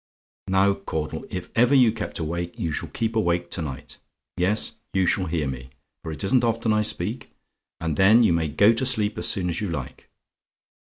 "Now, Caudle, if ever you kept awake, you shall keep awake to night yes, you shall hear me, for it isn't often I speak, and then you may go to sleep as soon as you like.